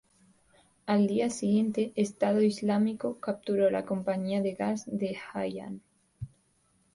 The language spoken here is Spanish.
Al día siguiente, Estado Islámico capturó la Compañía de Gas de Hayyan.